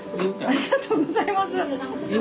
ありがとうございます。